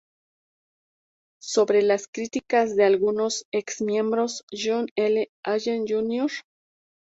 Sobre "las críticas de algunos ex-miembros", John L. Allen, Jr.